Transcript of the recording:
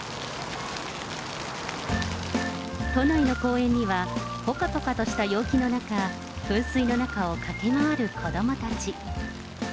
都内の公園には、ぽかぽかとした陽気の中、噴水の中を駆け回る子どもたち。